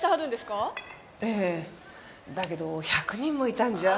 だけど１００人もいたんじゃ。